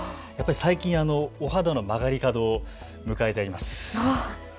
最近、お肌の曲がり角を迎えております。